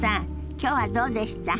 今日はどうでした？